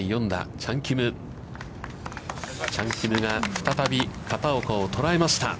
チャン・キムが再び片岡を捉えました。